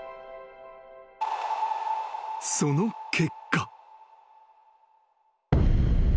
［その結果］